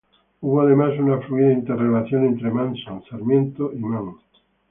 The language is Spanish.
Hubo además una fluida interrelación entre Manso, Sarmiento y Mann.